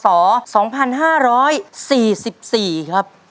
สองพันห้าร้อยสี่สิบสี่ครับ